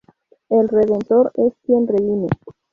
El redentor es quien redime.